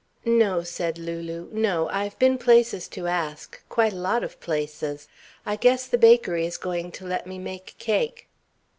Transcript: "No," said Lulu, "no. I've been places to ask quite a lot of places. I guess the bakery is going to let me make cake."